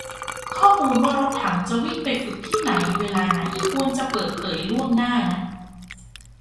ข้อมูลว่ารถถังจะวิ่งไปฝึกที่ไหนเวลาไหน ควรจะเปิดเผยล่วงหน้านะ